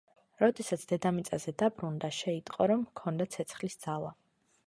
როდესაც დედამიწაზე დაბრუნდა, შეიტყო, რომ ჰქონდა ცეცხლის ძალა.